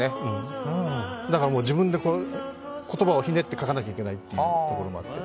だから、自分で言葉をひねって書かなきゃいけないというところもあって。